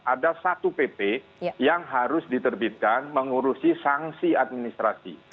ada satu pp yang harus diterbitkan mengurusi sanksi administrasi